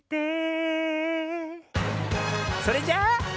それじゃあ。